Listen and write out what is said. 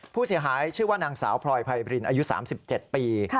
ผู้เสียหายชื่อว่านางสาวพลอยไพบรินอายุ๓๗ปี